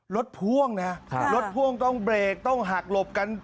รถพ่วงนะรถพ่วงต้องเบรกต้องหักหลบกัน